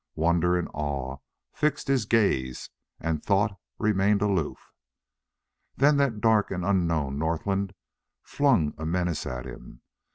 Wonder and awe fixed his gaze, and thought remained aloof. Then that dark and unknown northland flung a menace at him.